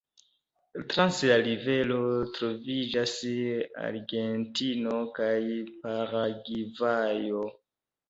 Trans la rivero troviĝas Argentino kaj Paragvajo.